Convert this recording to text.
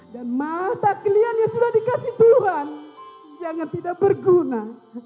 dan mata kalian yang sudah dikasih tuhan jangan tidak berguna